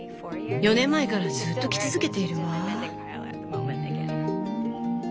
４年前からずっと着続けているわ。